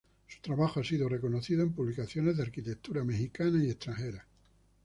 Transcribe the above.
Su trabajo ha sido reconocido en publicaciones de arquitectura mexicanas y extranjeras.